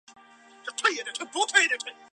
他以维多利亚女王的名字为之命名。